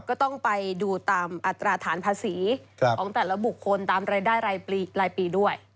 ก็ต้องไปดูตามอัตราฐานภาษีของแต่ละบุคคลตามรายได้รายปีด้วย